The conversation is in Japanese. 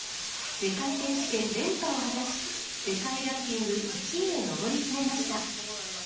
世界選手権連覇を果たし、世界ランキング１位へ上り詰めました。